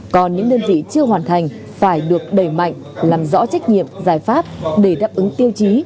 còn những đơn vị chưa hoàn thành phải được đẩy mạnh làm rõ trách nhiệm giải pháp để đáp ứng tiêu chí